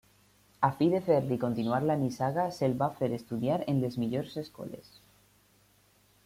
A fi de fer-li continuar la nissaga se'l va fer estudiar en les millors escoles.